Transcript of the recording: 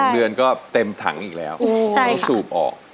เดือนก็เต็มถังอีกแล้วเขาสูบออก